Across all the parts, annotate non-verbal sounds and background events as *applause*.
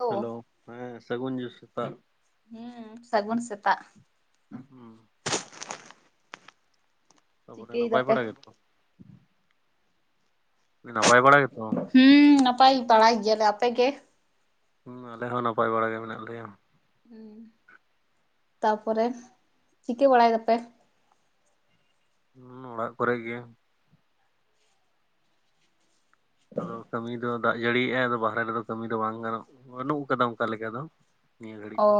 ᱳ hello ᱦᱮᱸ ᱥᱟᱹᱜᱩᱱ ᱥᱮᱛᱟᱜ, ᱦᱩᱸ ᱥᱟᱹᱜᱩᱱ ᱥᱮᱛᱟᱜᱼᱼ ᱦᱩᱸ ᱛᱟᱯᱚᱨᱮ ᱪᱤᱠᱟᱹᱭ ᱱᱟᱯᱟᱭ ᱵᱟᱲᱟ ᱫᱟᱯᱮ? ᱜᱮᱛᱚ ᱱᱟᱯᱟᱭ ᱵᱟᱲᱟ ᱜᱮᱛᱚ? ᱦᱩᱸ ᱱᱟᱯᱟᱭ ᱵᱟᱲᱟ ᱜᱮᱭᱟᱞᱮ ᱟᱯᱮ ᱜᱮ? ᱦᱩᱸ ᱟᱞᱮ ᱦᱚᱸ ᱱᱟᱯᱟᱭ ᱵᱟᱲᱟ ᱜᱮ ᱢᱮᱱᱟᱜ ᱞᱮᱭᱟ᱾ ᱦᱩᱸ ᱛᱟᱯᱚᱨᱮ ᱪᱤᱠᱟᱹ ᱵᱟᱲᱟᱭ ᱫᱟᱯᱮ? ᱦᱩᱸ ᱚᱲᱟᱜ ᱠᱚᱨᱮ ᱜᱮ᱾ ᱟᱫᱚ ᱠᱟᱹᱢᱤ ᱫᱚ ᱫᱟᱜ ᱡᱟᱹᱲᱤᱭᱮᱟᱭ ᱟᱫᱚ ᱵᱟᱦᱨᱮ ᱨᱮᱫᱚ ᱠᱟᱹᱢᱤ ᱫᱚ ᱵᱟᱝ ᱜᱟᱱᱚᱜ ᱵᱟᱹᱱᱩᱜ ᱠᱟᱫᱟ ᱚᱱᱠᱟ ᱞᱮᱠᱟ ᱫᱚ᱾ ᱱᱤᱭᱟᱹ ᱜᱷᱟᱹᱲᱤᱡ ᱚ ᱫᱚ᱾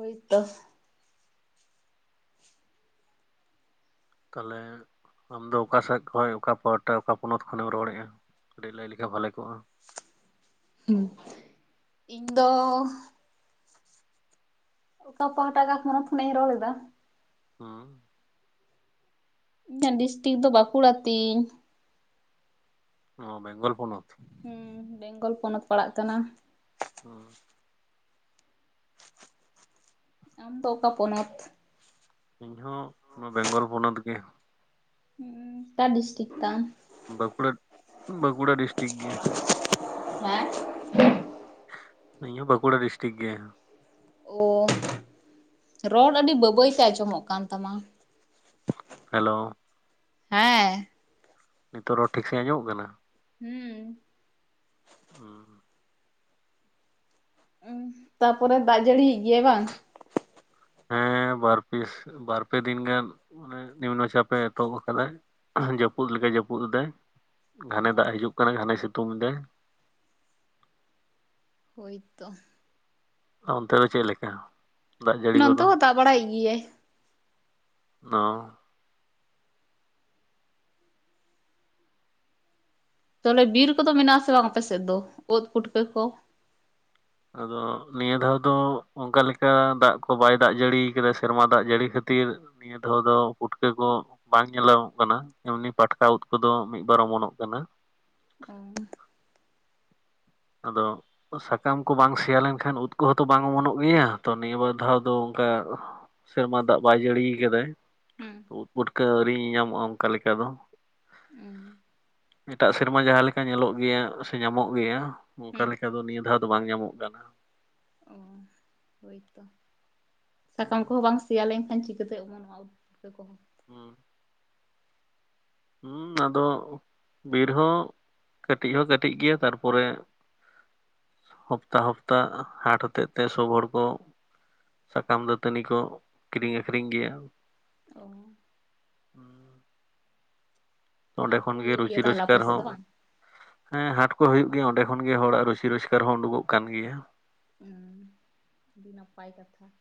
ᱦᱳᱭᱛᱚ ᱾ ᱛᱟᱦᱚᱞᱮ ᱟᱢᱫᱚ ᱚᱠᱟᱥᱮᱫ ᱠᱷᱚᱡ, ᱚᱠᱟ ᱯᱟᱦᱴᱟ, ᱚᱠᱟ ᱯᱚᱱᱚᱛ ᱠᱷᱚᱱᱮᱢ ᱨᱚᱲᱮᱫᱼᱟ? ᱠᱟᱹᱴᱤᱡ ᱞᱟᱹᱭ ᱞᱮᱠᱷᱟᱡ ᱵᱷᱟᱞᱮ ᱠᱚᱜᱼᱟ᱾ ᱦᱩᱸ, ᱤᱧ ᱫᱚᱻᱻ ᱚᱠᱟ ᱯᱟᱦᱴᱟᱜ ᱠᱟ ᱯᱚᱱᱚᱛ ᱠᱷᱚᱱᱤᱧ ᱨᱚᱲ ᱫᱟ? ᱦᱩᱸ ᱤᱧᱟᱹᱜ ᱰᱤᱥᱴᱤᱠ ᱫᱚ ᱵᱟᱸᱠᱩᱲᱟ ᱛᱤᱧ᱾ ᱚ ᱵᱮᱝᱜᱚᱞ ᱯᱚᱱᱚᱛ? ᱦᱩᱸ, ᱵᱮᱝᱜᱚᱞ ᱯᱚᱱᱚᱛ ᱯᱟᱲᱟᱜ ᱠᱟᱱᱟ *inaudible* ᱟᱢ ᱫᱚ ᱚᱠᱟ ᱯᱚᱱᱚᱛ? ᱤᱧ ᱦᱚᱸ ᱵᱮᱝᱜᱚᱞ ᱯᱚᱱᱚᱛ ᱜᱮ᱾ ᱩᱸ, ᱚᱠᱟ ᱰᱤᱥᱴᱤᱠ ᱛᱟᱢ? ᱵᱟᱸᱠᱩᱲᱟ, ᱵᱟᱸᱠᱩᱲᱟ ᱰᱤᱥᱴᱤᱠ ᱜᱮ᱾ ᱦᱮᱸ ᱤᱧ ᱦᱚᱹ ᱵᱟᱸᱠᱩᱲᱟ ᱰᱤᱥᱴᱤᱠ ᱜᱮ᱾ ᱚ ᱨᱚᱲ ᱟᱹᱰᱤ ᱵᱟᱸᱵᱟᱹᱭᱛᱮ ᱟᱸᱡᱚᱢᱚᱜ ᱠᱟᱱ ᱛᱟᱢᱟ? ᱦᱮᱞᱳ᱾ ᱦᱮᱸ ᱱᱤᱛᱚᱜ ᱨᱚᱲ ᱴᱷᱤᱠ ᱥᱟᱦᱤᱧ ᱟᱡᱚᱢᱚᱜ ᱠᱟᱱᱟ? ᱦᱩᱸ᱾ ᱦᱩᱸ ᱩ ᱛᱟᱯᱚᱨᱮ ᱫᱟᱜ ᱡᱟᱹᱲᱤᱭᱮ ᱦᱩᱭᱟᱭ ᱵᱟᱝ? ᱦᱮᱸ ᱵᱟᱨ ᱯ ᱵᱟᱨᱯᱮ ᱫᱤᱱ ᱜᱟᱱᱻ ᱚᱱᱮ ᱱᱤᱢᱱ ᱪᱟᱯᱮ ᱮᱛᱚᱦᱚᱵ ᱠᱟᱫᱟ ᱡᱟᱹᱯᱩᱫ ᱞᱮᱠᱟᱟᱭ ᱡᱟᱹᱯᱩᱫ ᱮᱫᱟᱭ᱾ ᱚ ᱜᱷᱟᱱᱮ ᱫᱟ ᱦᱤᱡᱩᱜ ᱠᱟᱱᱟ ᱜᱷᱟᱱᱮ ᱥᱤᱛᱩᱝ ᱫᱟ᱾ ᱦᱳᱭ ᱛᱚ ᱚᱱᱛᱮ ᱫᱚ ᱪᱮᱫ ᱞᱮᱠᱟ ᱫᱟ ᱡᱟᱹᱲᱤ ᱱᱚᱱᱛᱮ ᱠᱚᱫᱚ? ᱦᱚᱸ ᱫᱟᱜ ᱵᱟᱲᱟᱭᱮᱜ ᱜᱮᱭᱟᱭ᱾ ᱫᱚᱼᱼ ᱛᱟᱦᱞᱮ ᱵᱤᱨ ᱠᱚᱫᱚ ᱢᱮᱱᱟᱜ ᱟᱥᱮ ᱵᱟᱝ ᱟᱯᱮ ᱥᱮᱫ ᱫᱚ ᱩᱫ ᱯᱩᱴᱠᱟᱹ ᱠᱚ? ᱟᱫᱚ ᱱᱤᱭᱟᱹ ᱫᱷᱟᱣ ᱫᱚ ᱚᱱᱠᱟ ᱞᱮᱠᱟ ᱫᱟᱜ ᱠᱚ ᱵᱟᱭ ᱫᱟᱜ ᱡᱟᱹᱲᱤ ᱠᱟᱫᱟ ᱥᱮᱨᱢᱟ ᱫᱟᱜ ᱡᱟᱹᱲᱤ ᱠᱷᱟᱹᱛᱤᱨᱻ ᱱᱤᱭᱟᱹ ᱫᱷᱟᱣ ᱫᱚ ᱩᱩᱴᱠᱟᱹ ᱠᱚᱼᱼ ᱵᱟᱝ ᱧᱮᱞᱚᱸ ᱠᱟᱱᱟ ᱮᱢᱱᱤ ᱯᱟᱴᱠᱟ ᱩᱫ ᱠᱚᱫᱚ ᱢᱤᱫᱵᱟᱨ ᱚᱢᱚᱱᱚᱜ ᱠᱟᱱᱟ᱾ ᱚ *unintelligible* ᱟᱫᱚᱼᱼ ᱥᱟᱠᱟᱢ ᱠᱚ ᱵᱟᱝ ᱥᱮᱭᱟ ᱞᱮᱱᱠᱷᱟᱱ ᱩᱫ ᱠᱚᱦᱚᱸᱛᱚ ᱵᱟᱝ ᱚᱢᱚᱱᱚᱜ ᱜᱮᱭᱟ ᱛᱚ ᱱᱤᱭᱟᱹ ᱵᱟᱨ ᱫᱷᱟᱣ ᱫᱚ ᱚᱱᱠᱟᱼᱼ ᱥᱮᱨᱢᱟ ᱫᱟ ᱵᱟᱭ ᱡᱟᱹᱲᱤᱭᱟ ᱠᱟᱫᱟᱭ᱾ ᱦᱩᱸ᱾ ᱩᱫ ᱯᱩᱴᱠᱟ ᱟᱹᱣᱨᱤ ᱧᱟᱢᱚᱜᱼᱟ ᱚᱱᱠᱟ ᱞᱮᱠᱟ ᱫᱚ᱾ ᱩᱸ ᱮᱴᱟᱜ ᱥᱮᱨᱢᱟ ᱡᱟᱦᱟᱸᱞ ᱞᱮᱠᱟ ᱧᱮᱞᱚᱜ ᱜᱮᱭᱟ ᱥᱮ ᱧᱟᱢᱚᱜ ᱜᱮᱭᱟ ᱚᱱᱠᱟ ᱦᱩᱸ ᱞᱮᱠᱟ ᱫᱚ ᱱᱤᱭᱟᱹ ᱫᱷᱟᱣᱼᱼ ᱫᱚ ᱵᱟᱝ ᱧᱟᱢᱚᱜ ᱠᱟᱱᱟ᱾ ᱚ ᱦᱳᱭᱛᱚ ᱥᱟᱠᱟᱢ ᱠᱚᱦᱚᱸ ᱵᱟᱝᱼᱼ ᱥᱮᱭᱟ ᱞᱮᱱᱠᱷᱟᱱ ᱪᱤᱠᱟᱹᱛᱮ ᱚᱢᱚᱱᱼᱟ ᱱᱚᱣᱟ ᱩᱫ ᱠᱚᱦᱚᱸ᱾ ᱦᱩᱸ ᱦᱩᱸ ᱟᱫᱚ ᱵᱤᱨ ᱦᱚᱸ ᱠᱟᱹᱴᱤᱡ ᱦᱚᱸ ᱠᱟᱹᱴᱤᱡ ᱜᱮᱭᱟ ᱛᱟᱨᱯᱚᱨᱮᱼᱼ ᱦᱚᱯᱛᱟ ᱦᱟᱯᱛᱟ ᱦᱟᱴ ᱦᱚᱛᱮᱫ ᱛᱮ ᱥᱳᱚᱵ ᱦᱚᱲ ᱠᱚᱼᱼ ᱥᱟᱠᱟᱢ ᱫᱟᱹᱛᱟᱹᱱᱤ ᱠᱚ ᱠᱤᱨᱤᱧ ᱟᱹᱠᱷᱨᱤᱧ ᱜᱮᱭᱟ᱾ ᱚ *inaudible* ᱱᱚᱸᱰᱮ ᱦᱟᱴ ᱠᱚ ᱠᱷᱚᱱᱜᱮ ᱦᱩᱭᱩᱜ ᱜᱮᱭᱟ ᱨᱩᱡᱤ ᱛᱟᱦᱚᱞᱮ ᱟᱯᱮ ᱨᱚᱡᱜᱟᱨ ᱥᱮᱫ ᱦᱚᱸ, ᱫᱚ ᱵᱟᱝ? ᱦᱮᱸ ᱦᱟᱴ ᱠᱚ ᱦᱩᱭᱩᱜ ᱜᱮᱭᱟ ᱚᱸᱰᱮ ᱠᱷᱚᱱ ᱜᱮ ᱦᱚᱲᱟᱜ ᱨᱩᱥᱤ ᱨᱚᱡᱠᱟᱨ ᱦᱚᱸ ᱩᱸᱰᱩᱠᱚᱜ ᱠᱟᱱ ᱜᱮᱭᱟ᱾ ᱦᱩᱸ ᱟᱸᱰᱤ ᱱᱟᱯᱟᱭ ᱠᱟᱛᱷᱟ᱾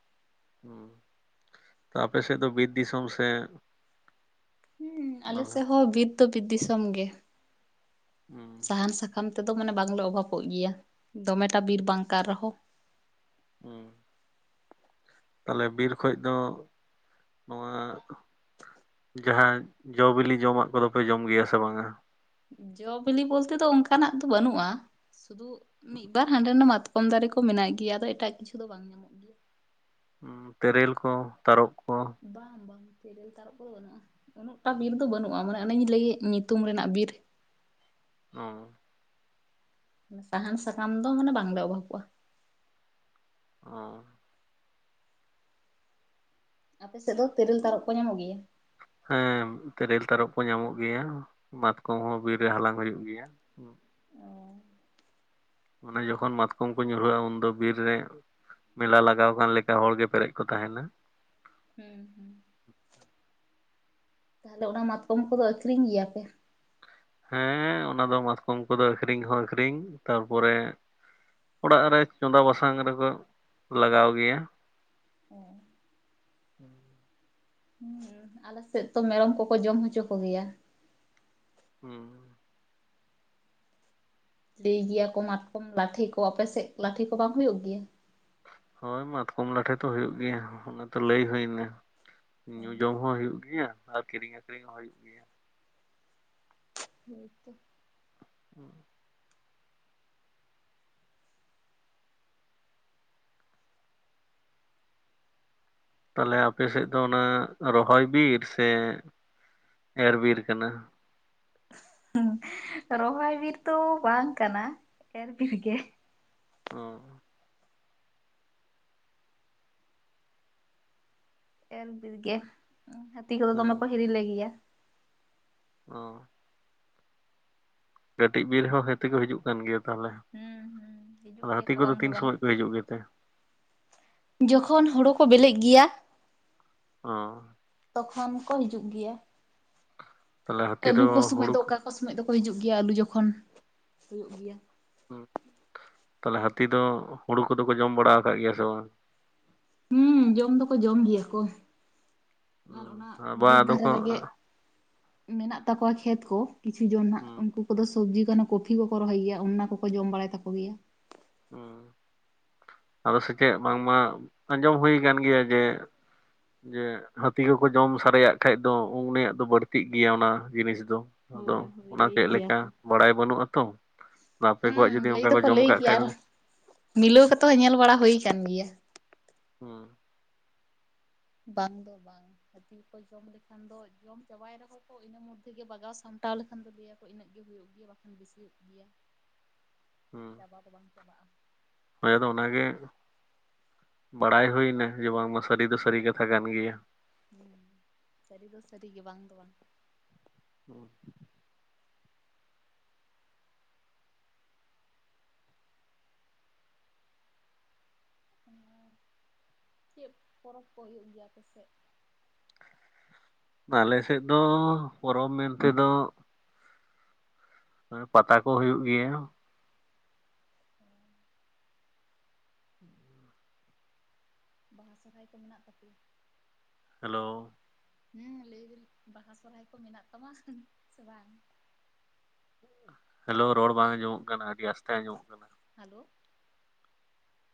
ᱟᱯᱮ ᱥᱮᱫ ᱫᱚ ᱵᱤᱨ ᱫᱤᱥᱚᱢ ᱥᱮᱼᱼ ᱦᱩᱸ ᱟᱞᱮ ᱥᱮᱫ ᱦᱚᱸ ᱵᱤᱨ ᱫᱚ ᱵᱤᱨ ᱫᱤᱥᱚᱢ ᱜᱮ᱾ ᱦᱩᱸ ᱥᱟᱦᱟᱱ ᱥᱟᱠᱟᱢᱼᱼ ᱠᱟᱢ ᱛᱮᱫᱚ ᱢᱟᱱᱮ ᱵᱟᱝᱞᱮ ᱚᱵᱷᱟᱯᱚᱜ ᱜᱮᱭᱟ ᱫᱚᱢᱮᱴᱟ ᱵᱤᱨ ᱵᱟᱝ ᱠᱟᱱ ᱨᱮᱦᱚᱸ ᱦᱩᱸ ᱛᱟᱞᱮ ᱵᱤᱨ ᱠᱷᱚᱡ ᱫᱚ ᱱᱚᱣᱟᱼᱼ ᱡᱟᱦᱟᱸ ᱡᱚ ᱵᱤᱞᱤ ᱡᱚᱢᱟᱜ ᱠᱚᱫᱚ ᱯᱮ ᱡᱚᱢ ᱜᱮᱭᱟ ᱥᱮ ᱵᱟᱝᱟ ᱡᱚ ᱵᱤᱞᱤ ᱵᱚᱞᱛᱮ ᱫᱚ ᱚᱱᱠᱟᱱᱟᱜ ᱫᱚ ᱵᱟᱹᱱᱩᱜᱼᱟ ᱥᱩᱫᱩ ᱢᱤᱫ ᱵᱟᱨ ᱦᱟᱸᱰᱮ ᱱᱟᱰᱮ ᱢᱟᱛ ᱠᱚᱢ ᱫᱟᱨᱮ ᱠᱚ ᱢᱮᱱᱟᱜ ᱜᱮᱭᱟ ᱟᱫᱚ ᱮᱴᱟᱜ ᱠᱤᱪᱷᱩ ᱫᱚ ᱵᱟᱝ ᱧᱟᱢᱚᱜ ᱼᱼ ᱛᱮᱨᱮᱞ, ᱠᱚ ᱛᱟᱨᱚᱵ, ᱠᱚ? ᱵᱟᱝ ᱵᱟᱝ ᱛᱮᱨᱮᱞ ᱛᱟᱨᱚᱵ ᱠᱚᱫᱚ ᱵᱟᱹᱱᱩᱜᱼᱟ ᱩᱱᱟᱹᱜᱴᱟ ᱵᱤᱨ ᱫᱚ ᱵᱟᱹᱱᱩᱜᱼᱟ ᱢᱟᱱᱮ ᱚᱱᱮᱧ ᱞᱟᱹᱭᱮᱜ ᱧᱩᱛᱩᱢ ᱨᱮᱱᱟᱜ ᱵᱤᱨ᱾ ᱦᱚᱸ᱾ ᱥᱟᱦᱟᱱ ᱥᱟᱠᱟᱢ ᱫᱚ ᱢᱟᱱᱮ ᱵᱟᱝᱞᱮ ᱚᱵᱷᱟᱵᱽ ᱠᱚᱣᱟ᱾ ᱚ ᱟᱯᱮ ᱥᱮᱫ ᱫᱚ ᱛᱮᱨᱮᱞ ᱛᱟᱨᱚᱵ ᱠᱚ ᱧᱟᱢᱚᱜ ᱜᱮᱭᱟ? ᱦᱮᱸ ᱛᱮᱨᱮᱞ, ᱛᱟᱨᱚᱵ, ᱠᱚ ᱧᱟᱢᱚᱜ ᱜᱮᱭᱟ ᱢᱟᱛᱠᱚᱢ, ᱦᱚᱸ ᱵᱤᱨ ᱨᱮ ᱦᱟᱞᱟᱝ ᱦᱩᱭᱩᱜ ᱜᱮᱭᱟ᱾ ᱚ ᱚᱱᱮ ᱡᱚᱠᱷᱚᱱ ᱢᱟᱛᱠᱚᱢ ᱠᱚ ᱧᱩᱨᱦᱟᱹᱜᱼᱟ ᱩᱱᱫᱚ ᱵᱤᱨ ᱨᱮ ᱢᱮᱞᱟ ᱞᱟᱜᱟᱣ ᱠᱟᱱ ᱞᱮᱠᱟ ᱦᱚᱲᱜᱮ ᱯᱮᱨᱮᱡ ᱠᱚ ᱛᱟᱦᱮᱱᱟ ᱦᱩᱸ ᱦᱩᱸ ᱛᱟᱞᱦᱮ ᱚᱱᱟ ᱢᱟᱛᱠᱚᱢ ᱠᱚᱫᱚ ᱟᱹᱠᱷᱨᱤᱧ ᱜᱮᱭᱟᱯᱮ? ᱦᱮᱸ ᱚᱱᱟ ᱫᱚ ᱢᱟᱛᱠᱚᱢ ᱠᱚᱫᱚ ᱟᱹᱠᱷᱨᱤᱧ ᱦᱚᱸ ᱟᱠᱷᱨᱤᱧ ᱛᱟᱨᱯᱚᱨᱮ ᱚᱲᱟᱜ ᱨᱮ ᱪᱚᱸᱫᱟ ᱵᱟᱥᱟᱝ ᱨᱮᱠᱚ ᱞᱟᱜᱟᱣ ᱜᱮᱭᱟ ᱚ ᱦᱩᱸ ᱟᱞᱮ ᱥᱮᱫ ᱛᱚ ᱢᱮᱨᱚᱢ ᱠᱚᱠᱚ ᱡᱚᱢ ᱦᱚᱪᱚ ᱠᱚᱜᱮᱭᱟ ᱦᱩᱸ ᱞᱟᱹᱭ ᱜᱮᱭᱟ ᱠᱚ ᱢᱟᱛᱠᱚᱢ ᱞᱟᱴᱷᱮ ᱠᱚ ᱟᱯᱮᱥᱮᱫ ᱞᱟᱴᱷᱮ ᱠᱚ ᱵᱟᱝ ᱦᱩᱭᱩᱜ ᱜᱮᱭᱟ? ᱦᱳᱭ ᱢᱟᱛᱠᱚᱢ ᱞᱟᱴᱷᱮ ᱛᱚ ᱦᱩᱭᱩᱜ ᱜᱮᱭᱟ ᱚᱱᱟ ᱛᱚ ᱞᱟᱹᱭ ᱦᱩᱭ ᱮᱱᱟ ᱚ ᱧᱩ ᱡᱚᱢ ᱦᱚᱸ ᱦᱩᱭᱩᱜ ᱜᱮᱭᱟ ᱟᱨ ᱠᱤᱨᱤᱧ ᱟᱠᱷᱨᱤᱧ ᱦᱚᱸ ᱦᱩᱭᱩᱜ ᱜᱮᱭᱟ ᱦᱳᱭ ᱛᱚ ᱚ ᱛᱟᱞᱮ ᱟᱯᱮᱥᱮᱫ ᱫᱚ ᱚᱱᱟ ᱨᱚᱦᱚᱭ ᱵᱤᱨ ᱥᱮ ᱮᱨ ᱵᱤᱨ ᱠᱟᱱᱟ? ᱦᱩᱸ ᱨᱚᱦᱚᱭ ᱵᱤᱨ ᱫᱚ ᱵᱟᱝ ᱠᱟᱱᱟ ᱮᱨ ᱵᱤᱨ ᱜᱮ ᱚ ᱮᱞ ᱵᱤᱨ ᱜᱮ ᱦᱟᱹᱛᱤ ᱠᱚᱫᱚ ᱦᱩᱸ ᱫᱚᱢᱮ ᱠᱚ ᱦᱤᱨᱤ ᱞᱮᱜᱮᱭᱟ ᱚ ᱠᱟᱹᱴᱤᱡ ᱵᱤᱨ ᱦᱚᱸ ᱦᱟᱹᱛᱤ ᱠᱚ ᱦᱤᱡᱩᱜ ᱠᱟᱱ ᱜᱮᱭᱟ ᱛᱟᱞᱦᱮ ᱦᱩᱸ ᱦᱩᱸ ᱦᱤᱡᱩᱜ ᱜᱮᱭᱟ ᱦᱟᱹᱛᱤ ᱠᱚ ᱠᱚᱫᱚ ᱵᱟᱝ ᱫᱚ ᱛᱤᱱ ᱵᱟᱝ ᱥᱚᱢᱚᱭ ᱠᱚ ᱦᱤᱡᱩᱜ ᱜᱮᱛᱮ? ᱡᱚᱠᱷᱚᱱ ᱦᱳᱲᱳ ᱠᱚ ᱵᱮᱞᱮᱜ ᱜᱮᱭᱟ ᱚ ᱛᱚᱠᱷᱚᱱ ᱠᱚ ᱦᱤᱡᱩᱜ ᱜᱮᱭᱟ ᱛᱟᱦᱚᱞᱮ ᱦᱟᱹᱛᱤ ᱟᱹᱞᱩ ᱫᱚ ᱠᱚ ᱥᱚᱢᱚᱭ ᱦᱩᱲᱩ ᱫᱚ ᱚᱠᱟ ᱚᱠᱟ ᱥᱚᱢᱚᱭ ᱫᱚᱠᱚ ᱦᱤᱡᱩᱜ ᱜᱮᱭᱟ ᱟᱹᱞᱩ ᱡᱚᱠᱷᱚᱱ ᱦᱩᱭᱩᱜ ᱜᱮᱭᱟ ᱚ ᱛᱟᱞᱦᱮ ᱦᱟᱹᱛᱤ ᱫᱚ ᱦᱩᱲᱩ ᱠᱚᱫᱚ ᱠᱚ ᱡᱚᱢ ᱵᱟᱲᱟ ᱠᱟᱜ ᱜᱮᱭᱟ ᱥᱮ ᱵᱟᱝ? ᱦᱩᱸ ᱡᱚᱢ ᱫᱚᱠᱚ ᱡᱚᱢ ᱜᱮᱭᱟ ᱠᱚ ᱟᱨ ᱚᱱᱟ ᱵᱟᱝ ᱵᱟ ᱫᱤᱯ ᱟᱫᱚ ᱫᱷᱟᱨᱮ ᱠᱚ ᱨᱮᱜᱮ ᱢᱮᱱᱟᱜ ᱛᱟᱠᱚᱣᱟ ᱠᱷᱮᱛ ᱠᱚ ᱠᱤᱪᱷᱩ ᱡᱚᱱ ᱦᱟᱸᱜ ᱦᱩᱸ ᱩᱱᱠᱩ ᱠᱚᱫᱚ ᱥᱚᱵᱽᱡᱤ ᱠᱟᱱᱟ ᱠᱚᱯᱷᱤ ᱠᱚᱠᱚ ᱨᱚᱦᱚᱭ ᱜᱮᱭᱟ ᱚᱱᱟ ᱠᱚᱠᱚ ᱡᱚᱢ ᱵᱟᱲᱟᱭ ᱛᱟᱠᱚ ᱜᱮᱭᱟ ᱦᱩᱸ ᱟᱫᱚ ᱥᱮᱪᱮᱫ ᱵᱟᱝᱢᱟ ᱟᱸᱡᱚᱢ ᱦᱩᱭ ᱠᱟᱱ ᱜᱮᱭᱟ ᱡᱮ ᱡᱮ ᱦᱟᱹᱛᱤ ᱠᱚᱠᱚ ᱡᱚᱢ ᱥᱟᱨᱮᱭᱟᱜ ᱠᱷᱟᱡ ᱫᱚ ᱩᱱᱤᱭᱟᱜ ᱫᱚ ᱵᱟᱹᱲᱛᱤᱜ ᱜᱮᱭᱟ ᱚᱱᱟ ᱡᱤᱱᱤᱥ ᱫᱚ ᱟᱫᱚ ᱦᱳᱭ ᱦᱳᱭ ᱚᱱᱟ ᱞᱟᱹᱭ ᱪᱮᱫ ᱜᱮᱭᱟ ᱞᱮᱠᱟ ᱠᱚ ᱵᱟᱲᱟᱭ ᱵᱟᱹᱱᱩᱜ ᱟᱛᱚ ᱟᱯᱮ ᱦᱩᱸ ᱠᱚᱣᱟᱜ ᱡᱩᱫᱤ ᱞᱟᱹᱭ ᱚᱱᱠᱟ ᱠᱚ ᱫᱚᱠᱚ ᱡᱚᱢ ᱞᱟᱹᱭ ᱠᱟᱜ ᱜᱮᱭᱟ ᱠᱷᱟᱡ ᱟᱨ ᱫᱚ ᱢᱤᱞᱟᱹᱣ ᱠᱟᱛᱮ ᱦᱚᱸ ᱧᱮᱞ ᱵᱟᱲᱟ ᱦᱩᱭ ᱟᱠᱟᱱ ᱜᱮᱭᱟ। ᱦᱩᱸ ᱵᱟᱝ ᱫᱚ ᱵᱟᱝ ᱦᱟᱹᱛᱤ ᱠᱚ ᱡᱚᱢ ᱞᱮᱠᱷᱟᱱ ᱫᱚ ᱡᱚᱢ ᱪᱟᱵᱟᱭ ᱨᱮᱦᱚᱸ ᱠᱚ ᱤᱱᱟᱹ ᱢᱚᱫᱽᱫᱷᱮ ᱜᱮ ᱵᱟᱜᱟᱣ ᱥᱟᱢᱴᱟᱣ ᱞᱮᱠᱷᱟᱱ ᱫᱚ ᱞᱟᱹᱭᱟ ᱤᱱᱟᱹᱜ ᱜᱮ ᱦᱩᱭᱩᱜ ᱜᱮᱭᱟ ᱵᱟᱠᱷᱟᱱ ᱵᱮᱥᱤ ᱦᱩᱭᱩᱜ ᱜᱮᱭᱟ ᱚ ᱚᱱᱟ ᱫᱚ ᱵᱟᱝ ᱪᱟᱵᱟᱜᱼᱟ ᱦᱚᱭ ᱟᱫᱚ ᱚᱱᱟᱜᱮ ᱵᱟᱲᱟᱭ ᱦᱩᱭᱱᱟ ᱡᱮ ᱵᱟᱝᱢᱟ ᱥᱟᱹᱨᱤ ᱫᱚ ᱥᱟᱹᱨᱤ ᱠᱟᱛᱷᱟ ᱠᱟᱱ ᱜᱮᱭᱟ। ᱦᱩᱸ ᱥᱟᱹᱨᱤ ᱫᱚ ᱥᱟᱹᱨᱤ ᱜᱮ ᱵᱟᱝ ᱫᱚ ᱵᱟᱝ। *unintelligible* ᱪᱮᱫ ᱯᱚᱨᱚᱵᱽ ᱠᱚ ᱦᱩᱭᱩᱜ ᱜᱮᱭᱟ ᱟᱯᱮᱥᱮᱫ? ᱟᱞᱮᱥᱮᱫ ᱫᱚ ᱯᱚᱨᱚᱵᱽ ᱢᱮᱱᱛᱮ ᱫᱚ ᱯᱟᱛᱟ ᱠᱚ ᱦᱩᱭᱩᱜ ᱜᱮᱭᱟ। ᱵᱟᱦᱟ ᱥᱚᱨᱦᱟᱭ ᱠᱚ ᱢᱮᱱᱟᱜ ᱛᱟᱯᱮᱭᱟ? ᱦᱮᱞᱳ ᱦᱮᱸ ᱞᱟᱹᱭ ᱫᱟᱹᱧ ᱵᱟᱦᱟ ᱥᱚᱨᱦᱟᱭ ᱠᱚ ᱢᱮᱱᱟᱜ ᱛᱟᱢᱟ ᱥᱮ ᱵᱟᱝ? ᱦᱮᱞᱳ ᱨᱚᱲ ᱵᱟᱝ ᱟᱸᱡᱚᱢᱚᱜ ᱠᱟᱱᱟ ᱟᱹᱰᱤ ᱟᱥᱛᱮ ᱟᱸᱡᱚᱢᱚᱜ ᱠᱟᱱᱟ ᱦᱮᱞᱳ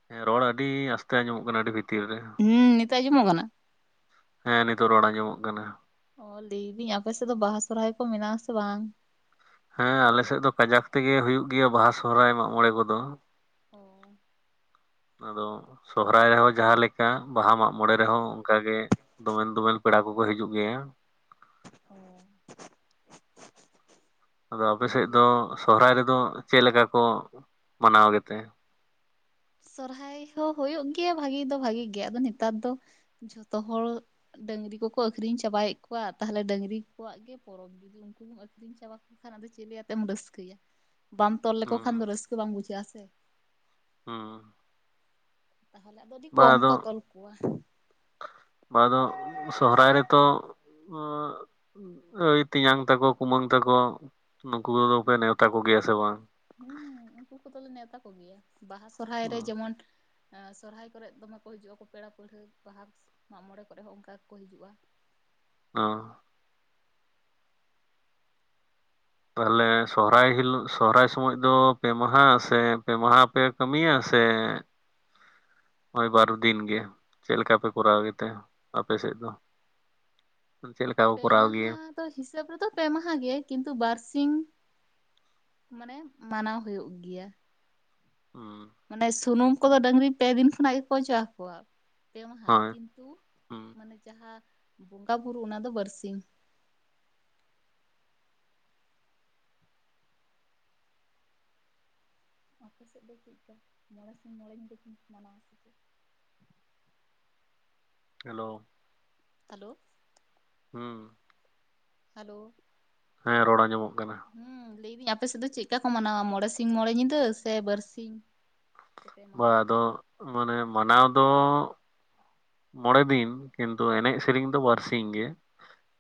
ᱦᱮᱸ ᱨᱚᱲ ᱟᱹᱰᱤ ᱟᱥᱛᱮ ᱟᱸᱡᱚᱜ ᱠᱟᱱᱟ ᱟᱹᱰᱤ ᱵᱷᱤᱛᱤᱨ ᱨᱮ᱾ ᱦᱩᱸ ᱱᱤᱛᱚᱜ ᱟᱸᱡᱚᱢᱚᱜ ᱠᱟᱱᱟ? ᱦᱮᱸ ᱱᱤᱛᱚᱜ ᱨᱚᱲ ᱟᱸᱡᱚᱢᱚᱜ ᱠᱟᱱᱟ᱾ ᱚ ᱞᱟᱹᱭᱫᱤᱧ ᱟᱯᱮ ᱥᱮᱫ ᱫᱚ ᱵᱟᱦᱟ ᱥᱚᱨᱦᱟᱭ ᱠᱚ ᱢᱮᱱᱟᱜ-ᱟ ᱥᱮ ᱵᱟᱝ? ᱦᱮᱸ, ᱟᱞᱮᱥᱮᱫ ᱫᱚ ᱠᱟᱡᱟᱠ ᱛᱮᱜᱮ ᱦᱩᱭᱩᱜ ᱜᱮᱭᱟ ᱵᱟᱦᱟ ᱥᱚᱦᱨᱟᱭ ᱢᱟᱜ ᱢᱚᱬᱮ ᱠᱚᱫᱚ᱾ ᱚ ᱟᱫᱚ ᱥᱚᱦᱨᱟᱭ ᱨᱮᱦᱚᱸ ᱡᱟᱦᱟᱸ ᱞᱮᱠᱟ ᱵᱟᱦᱟ ᱢᱟᱜ ᱢᱚᱬᱮ ᱨᱮᱦᱚᱸ ᱚᱱᱠᱟᱜᱮ᱾ ᱫᱳᱢᱮᱹᱞ ᱫᱳᱢᱮᱹᱞ ᱯᱮᱲᱟ ᱠᱚᱠᱚ ᱦᱤᱡᱩᱜ ᱜᱮᱭᱟ᱾ ᱚ ᱟᱫᱚ ᱟᱯᱮ ᱥᱮᱫ ᱦᱳᱭ ᱫᱚ ᱥᱚᱦᱨᱟᱭ ᱨᱮᱫᱚ ᱪᱮᱫ ᱞᱮᱠᱟ ᱠᱚ ᱢᱟᱱᱟᱣ ᱜᱮᱛᱮ? ᱥᱚᱨᱦᱟᱭ ᱦᱚᱸ ᱦᱩᱭᱩᱜ ᱜᱮᱭᱟ ᱵᱷᱟᱹᱜᱤ ᱫᱚ ᱵᱷᱟᱜᱤ ᱜᱮᱭᱟ ᱟᱫᱚ ᱱᱮᱛᱟᱨ ᱫᱚ᱾ ᱡᱷᱚᱛᱚ ᱦᱚᱲ ᱰᱟᱹᱝᱨᱤ ᱠᱚᱠᱚ ᱟᱹᱠᱷᱨᱤᱧ ᱪᱟᱵᱟᱭᱮᱫ ᱠᱚᱣᱟ ᱛᱟᱦᱚᱞᱮ ᱰᱟᱹᱝᱨᱤ ᱠᱚᱣᱟᱜ ᱜᱮ᱾ ᱯᱚᱨᱚᱵᱽ ᱡᱩᱫᱤ ᱩᱱᱠᱩᱢ ᱟᱹᱠᱷᱨᱤᱧ ᱪᱟᱵᱟᱠᱚ ᱠᱷᱟᱱ ᱟᱫᱚ ᱪᱤᱞᱤᱭᱟᱛᱮᱢ ᱨᱟᱹᱥᱠᱟᱹᱭᱟ? ᱵᱟᱢ ᱛᱚᱞ ᱞᱮᱠᱚ ᱠᱷᱟᱱ ᱫᱚ ᱦᱩᱸ ᱨᱟᱹᱥᱠᱟᱹ ᱵᱟᱢ ᱵᱩᱡᱷᱟᱹᱜ-ᱟ ᱥᱮ? ᱦᱩᱸ᱾ ᱛᱟᱦᱚᱞᱮ ᱟᱫᱚ ᱟᱹᱰᱤ ᱵᱟ ᱠᱚᱢ ᱟᱫᱚ ᱠᱚ ᱛᱚᱞ ᱠᱚᱣᱟ᱾ ᱟᱫᱚ ᱥᱚᱦᱨᱟᱭ ᱨᱮᱛᱚ ᱫᱟᱹᱭ ᱛᱮᱧᱟᱝ ᱛᱟᱠᱚ, ᱠᱩᱢᱟᱹᱝ ᱛᱟᱠᱚ ᱱᱩᱠᱩ ᱠᱚᱫᱚ ᱯᱮ ᱱᱮᱣᱛᱟ ᱠᱚᱜᱮᱭᱟ ᱥᱮ ᱵᱟᱝ? ᱦᱮᱸ ᱩᱱᱠᱩ ᱠᱚᱫᱚᱞᱮ ᱱᱮᱶᱛᱟ ᱠᱚᱜᱮᱭᱟ᱾ ᱵᱟᱦᱟ ᱥᱚᱨᱦᱟᱭ ᱨᱮ ᱡᱮᱢᱚᱱ ᱮᱸ, ᱥᱚᱨᱦᱟᱭ ᱠᱚᱨᱮ ᱫᱚᱢᱮ ᱠᱚ ᱦᱤᱡᱩᱜ-ᱟ ᱯᱮᱲᱟ ᱯᱟᱹᱦᱬᱟᱹ ᱵᱟᱦᱟ ᱢᱟᱜ ᱢᱚᱬᱮ ᱠᱚᱨᱮ ᱦᱚᱸ ᱚᱝᱠᱟ ᱜᱮᱠᱚ ᱦᱤᱡᱩᱜ-ᱟ᱾ ᱚ ᱛᱟᱦᱞᱮ ᱟᱫᱚ ᱥᱚᱨᱦᱟᱭ ᱦᱤᱞᱚᱜ ᱥᱚᱦᱨᱟᱭ ᱥᱚᱢᱚᱭ ᱫᱚ ᱯᱮ ᱢᱟᱦᱟ ᱥᱮ ᱯᱮ ᱢᱟᱦᱟ ᱯᱮ ᱠᱟᱹᱢᱤᱭᱟ ᱥᱮ ᱳᱭ ᱵᱟᱨ ᱫᱤᱱ ᱜᱮ ᱪᱮᱫ ᱞᱮᱠᱟ ᱯᱮ ᱠᱚᱨᱟᱣ ᱜᱮᱛᱮ ᱟᱯᱮ ᱥᱮᱫ ᱫᱚ? *inaudible* ᱞᱮᱠᱟ ᱠᱚ ᱯᱮ ᱠᱚᱨᱟᱣ ᱜᱮᱭᱟ ᱢᱟᱦᱟ ᱫᱚ ᱦᱤᱥᱟᱹᱵᱽ ᱨᱮᱫᱚ ᱯᱮ ᱢᱟᱦᱟ ᱜᱮ ᱠᱤᱱᱛᱩ ᱵᱟᱨ ᱥᱤᱧ᱾ ᱢᱟᱱᱮ ᱢᱟᱱᱟᱣ ᱦᱩᱭᱩᱜ ᱜᱮᱭᱟ᱾ ᱦᱩᱸ ᱢᱟᱱᱮ ᱥᱩᱱᱩᱢ ᱠᱚᱫᱚ ᱰᱟᱹᱝᱨᱤ ᱯᱮ ᱫᱤᱱ ᱠᱷᱚᱱᱟᱜ ᱜᱮᱠᱚ ᱚᱡᱚᱜ ᱟᱠᱚᱣᱟ᱾ ᱯᱮ ᱢᱟᱦᱟ ᱦᱳᱭ ᱠᱤᱱᱛᱩ ᱦᱩᱸ ᱢᱟᱱᱮ ᱡᱟᱦᱟᱸ ᱵᱚᱸᱜᱟ ᱵᱩᱨᱩ ᱚᱱᱟ ᱫᱚ ᱵᱟᱨᱥᱤᱧ᱾ ᱟᱯᱮ ᱥᱮᱫ ᱫᱚ ᱪᱮᱫ-ᱠᱟ ᱢᱚᱬᱮ ᱥᱤᱧ ᱢᱚᱬᱮ ᱧᱤᱫᱟᱹ ᱠᱚ ᱢᱟᱱᱟᱣᱟ ᱥᱮ? ᱪᱮᱫ ᱦᱮᱞᱳ᱾ ᱦᱮᱞᱳ᱾ ᱦᱩᱸ᱾ ᱦᱮᱞᱳ᱾ ᱦᱮᱸ ᱨᱚᱲ ᱟᱸᱡᱚᱢᱚᱜ ᱠᱟᱱᱟ᱾ ᱦᱩᱸ, ᱞᱟᱹᱭᱫᱟᱹᱧ ᱟᱯᱮ ᱥᱮᱫ ᱫᱚ ᱪᱮᱫᱠᱟ ᱠᱚ ᱢᱟᱱᱟᱣᱟ ᱢᱚᱬᱮ ᱥᱤᱧ ᱢᱚᱬᱮ ᱧᱤᱫᱟᱹ ᱥᱮ ᱵᱟᱨᱥᱤᱧ? ᱥᱮ ᱯᱮ ᱵᱟ ᱢᱟᱦᱟ ᱟᱫᱚ ᱢᱟᱱᱮ ᱢᱟᱱᱟᱣ ᱫᱚ ᱢᱚᱬᱮ ᱫᱤᱱ ᱠᱤᱱᱛᱩ ᱮᱱᱮᱡ ᱥᱮᱨᱮᱧ ᱫᱚ ᱵᱟᱨᱥᱤᱧ ᱜᱮ᱾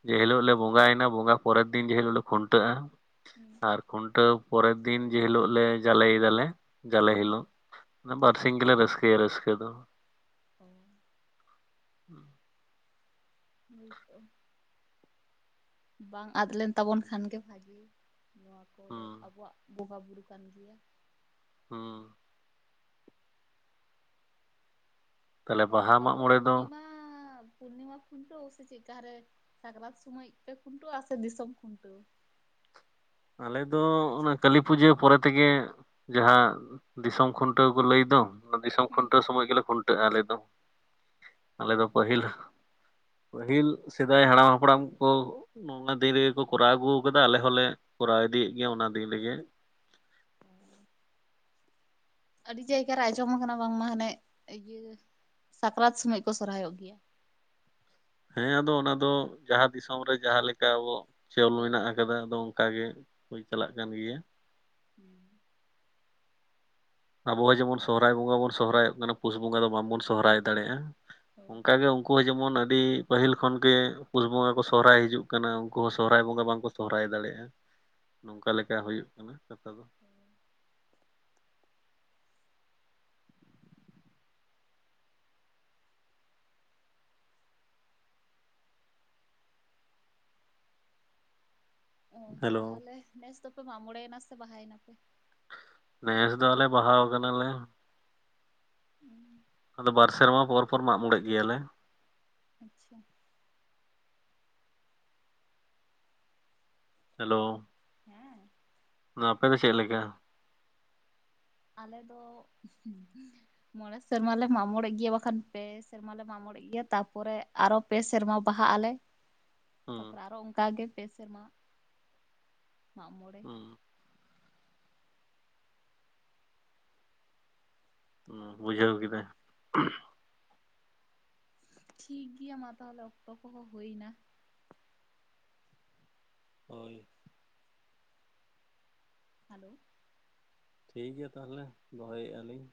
ᱡᱮ ᱦᱤᱞᱳᱜ ᱞᱮ ᱵᱚᱸᱜᱟᱭᱮᱱᱟ ᱵᱚᱸᱜᱟ ᱯᱚᱨᱮᱨ ᱫᱤᱱ ᱡᱮ ᱦᱤᱞᱳᱜ ᱞᱮ ᱠᱷᱩᱱᱴᱟᱹᱜᱼᱟ᱾ ᱦᱩᱸ᱾ ᱟᱨ ᱠᱷᱩᱱᱴᱟᱹᱣ ᱯᱚᱨᱮᱨ ᱫᱤᱱ ᱡᱮ ᱦᱤᱞᱳᱜ ᱞᱮ ᱡᱟᱞᱮᱭ ᱫᱟᱞᱮ ᱡᱟᱞᱮ ᱦᱤᱞᱳᱜ᱾ ᱢᱟᱱᱮ ᱵᱟᱨᱥᱤᱧ ᱜᱮᱞᱮ ᱨᱟᱹᱥᱠᱟᱹᱭᱟ ᱨᱟᱹᱥᱠᱟᱹ ᱫᱚ᱾ ᱚ ᱦᱩᱸ ᱦᱳᱭ ᱛᱚ᱾ ᱵᱟᱝ ᱟᱫ ᱞᱮᱱ ᱛᱟᱵᱚᱱ ᱠᱷᱟᱱ ᱜᱮ ᱵᱷᱟᱹᱜᱤ ᱱᱚᱣᱟ ᱠᱚ ᱫᱚ ᱦᱩᱸ ᱟᱵᱚᱣᱟᱜ᱾ ᱵᱚᱸᱜᱟ ᱵᱩᱨᱩ ᱠᱟᱱ ᱜᱮᱭᱟ᱾ ᱦᱩᱸ᱾ ᱛᱟᱦᱚᱞᱮ ᱚ, ᱵᱟᱦᱟ ᱛᱟᱦᱞᱮ ᱢᱟᱜ ᱟᱯᱮ ᱫᱚ ᱢᱚᱬᱮ ᱯᱩᱨᱱᱤᱢᱟ ᱯᱩᱨᱱᱤᱢᱟ ᱠᱷᱩᱱᱴᱟᱹᱣ ᱥᱮ ᱪᱮᱫᱠᱟ ᱦᱟᱨᱮ? ᱥᱟᱠᱨᱟᱛ ᱥᱚᱢᱚᱭ ᱯᱮ ᱠᱷᱩᱱᱴᱟᱹᱣᱟ ᱥᱮ ᱫᱤᱥᱚᱢ ᱠᱷᱩᱱᱴᱟᱹᱣ ᱟᱞᱮ ᱫᱚ ᱚᱱᱟ ᱠᱟᱹᱞᱤ ᱯᱩᱡᱟᱹ ᱯᱚᱨᱮ ᱛᱮᱜᱮ ᱡᱟᱦᱟᱸᱼᱼ ᱫᱤᱥᱚᱢ ᱠᱷᱩᱱᱴᱟᱹᱣ ᱠᱚ ᱞᱟᱹᱭ ᱫᱚᱼᱼ ᱫᱤᱥᱚᱢ ᱦᱩᱸ ᱠᱷᱩᱱᱴᱟᱹᱣ ᱥᱚᱢᱚᱭ ᱜᱮᱞᱮ ᱠᱷᱩᱱᱴᱟᱹᱜᱼᱟ ᱟᱞᱮ ᱫᱚ ᱟᱞᱮ ᱚ ᱫᱚ ᱯᱟᱹᱦᱤᱞ ᱯᱟᱹᱦᱤᱞ ᱥᱮᱫᱟᱭ ᱦᱟᱲᱟᱢ ᱦᱟᱯᱲᱟᱢ ᱠᱚ ᱱᱚᱝᱠᱟ ᱫᱤᱱ ᱨᱮ‌ ᱜᱮ ᱠᱚ ᱠᱚᱨᱟᱣ ᱟᱹᱜᱩ ᱟᱠᱟᱫᱟ ᱟᱞᱮ ᱦᱚᱸᱞᱮ ᱠᱚᱨᱟᱣ ᱤᱫᱤᱭ ᱮᱫ ᱜᱮᱭᱟ ᱚᱱᱟ ᱫᱤᱱ ᱨᱮᱜᱮᱼᱼ ᱟᱹᱰᱤ ᱡᱟᱭᱜᱟ ᱨᱮ ᱟᱸᱡᱚᱢ ᱟᱠᱟᱱᱟ ᱵᱟᱝᱢᱟ ᱦᱟᱱᱮ ᱤᱭᱟᱹ ᱥᱟᱠᱨᱟᱛ ᱥᱚᱢᱚᱭ ᱠᱚ ᱥᱚᱨᱦᱟᱭᱚᱜ ᱜᱮᱭᱟ᱾ ᱦᱮᱸ ᱟᱫᱚ ᱚᱱᱟ ᱫᱚ ᱡᱟᱦᱟᱸ ᱫᱤᱥᱚᱢ ᱨᱮ ᱡᱟᱦᱟᱸ ᱞᱮᱠᱟ ᱟᱵᱚᱣᱟᱜ ᱪᱚᱞ ᱢᱮᱱᱟᱜ ᱦᱳᱭ ᱦᱳᱭ ᱟᱠᱟᱫᱟ ᱟᱫᱚ ᱚᱱᱠᱟ ᱜᱮ ᱦᱚᱭ ᱪᱟᱞᱟᱜ ᱠᱟᱱ ᱜᱮᱭᱟ᱾ *inaudible* ᱟᱵᱚᱸ ᱡᱮᱢᱚᱱ ᱥᱚᱦᱚᱨᱟᱭ ᱵᱚᱸᱜᱟ ᱵᱚᱱ ᱥᱚᱦᱨᱟᱭᱚᱜ ᱠᱟᱱᱟ ᱯᱩᱥ ᱵᱚᱸᱜᱟ ᱫᱚ ᱵᱟᱝ ᱵᱚᱱ ᱥᱚᱦᱨᱟᱭ ᱫᱟᱲᱮᱭᱟᱜᱼᱟ ᱦᱳᱭ ᱚᱱᱠᱟ ᱜᱮ ᱩᱱᱠᱩ ᱤᱡ ᱡᱮᱢᱚᱱ ᱟᱹᱰᱤ ᱯᱟᱹᱦᱤᱞ ᱠᱷᱚᱱ ᱜᱮ ᱯᱩᱥ ᱵᱚᱸᱜᱟ ᱠᱚ ᱥᱚᱦᱨᱟᱭ ᱦᱤᱡᱩᱜ ᱠᱟᱱᱟ ᱩᱱᱠᱩ ᱦᱚᱸ ᱦᱩᱸ ᱥᱚᱦᱨᱟᱭ ᱵᱚᱸᱜᱟ ᱵᱟᱝ ᱠᱚ ᱥᱚᱦᱨᱟᱭ ᱫᱟᱲᱮᱭᱟᱜᱼᱟ ᱱᱚᱝᱠᱟ ᱞᱮᱠᱟ ᱦᱩᱭᱩᱜ ᱠᱟᱱᱟ ᱠᱟᱛᱷᱟ ᱫᱚᱼᱼ ᱚ ᱦᱮᱞᱳ ᱛᱟᱦᱚᱞᱮ ᱱᱮᱥ ᱫᱚ ᱯᱮ ᱢᱟᱜ ᱢᱚᱬᱮ ᱮᱱᱟ ᱥᱮ ᱵᱟᱦᱟᱭ ᱮᱱᱟ ᱯᱮ ᱱᱮᱥ ᱫᱚ ᱟᱞᱮ ᱵᱟᱦᱟᱣ ᱠᱟᱱᱟᱞᱮ᱾ ᱦᱩᱸ ᱟᱫᱚ ᱵᱟᱨ ᱥᱮᱨᱢᱟ ᱯᱚᱨ ᱯᱚᱨ ᱢᱟᱜ ᱢᱚᱬᱮᱜ ᱜᱮᱭᱟᱞᱮ *inaudible* ᱦᱮᱞᱳ ᱦᱮᱸ ᱟᱯᱮ ᱫᱚ ᱪᱮᱫ ᱞᱮᱠᱟ? ᱟᱞᱮ ᱫᱚ ᱢᱚᱬᱮ ᱥᱮᱨᱢᱟ ᱞᱮ ᱢᱟᱜ ᱢᱚᱬᱮᱜ ᱜᱮᱭᱟ ᱵᱟᱠᱷᱟᱱ ᱵᱮᱥ ᱥᱮᱨᱢᱟ ᱞᱮ ᱢᱟᱜ ᱢᱚᱬᱮᱜ ᱜᱮᱭᱟ ᱛᱟᱯᱚᱨᱮ ᱟᱨᱚ ᱯᱮ ᱥᱮᱨᱢᱟ ᱵᱟᱦᱟᱜ ᱟᱞᱮ ᱦᱩᱸ ᱛᱟᱯᱚᱨᱮ ᱟᱨᱚ ᱚᱝᱠᱟ ᱜᱮ ᱯᱮ ᱥᱮᱨᱢᱟ ᱢᱟᱜ ᱢᱚᱬᱮ ᱦᱩᱸ ᱦᱩᱸ ᱵᱩᱡᱷᱟᱹᱣ ᱠᱮᱫᱟ᱾ ᱴᱷᱤᱠ ᱜᱮᱭᱟ ᱢᱟ ᱛᱟᱦᱚᱞᱮ ᱚᱠᱛᱚ ᱠᱚ ᱦᱚᱸ ᱦᱩᱭᱱᱟ᱾ ᱦᱳᱭ *inaudible* ᱴᱷᱤᱠ ᱜᱮᱭᱟ ᱛᱟᱦᱚᱞᱮ ᱫᱚᱦᱚᱭ ᱮᱜ ᱟᱹᱞᱤᱧ